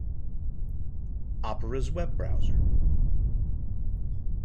Opera's web browser.